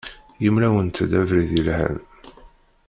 Yemla-awent-d abrid yelhan.